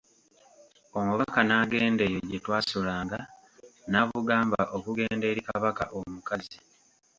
Omubaka n'agenda eyo gye twasulanga n'abugamba okugenda eri Kabaka omukazi.